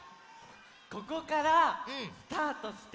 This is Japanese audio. ここからスタートして。